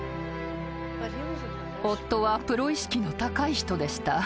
夫はプロ意識の高い人でした。